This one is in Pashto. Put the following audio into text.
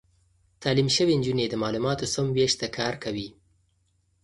تعليم شوې نجونې د معلوماتو سم وېش ته کار کوي.